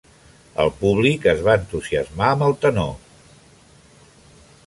El públic es va entusiasmar amb el tenor.